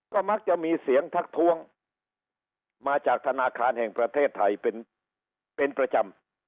ก็มักจะมีเสียงทักท้วงมาจากธนาคารแห่งประเทศไทยเป็นประจำ